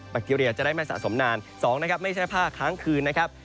ทีเรียจะได้ไม่สะสมนาน๒นะครับไม่ใช่ผ้าค้างคืนนะครับ